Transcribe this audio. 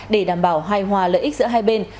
để đảm bảo hài hòa lợi ích giữa hai bên